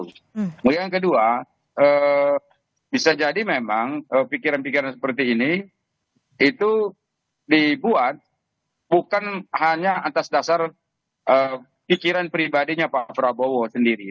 kemudian yang kedua bisa jadi memang pikiran pikiran seperti ini itu dibuat bukan hanya atas dasar pikiran pribadinya pak prabowo sendiri